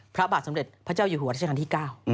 พระบาทสมเด็จพระเจ้าอยู่หัวรัชกาลที่๙